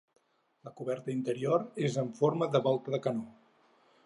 La coberta interior és en forma de volta de canó.